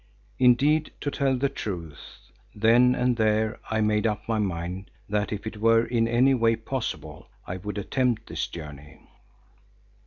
Indeed to tell the truth, then and there I made up my mind that if it were in any way possible, I would attempt this journey.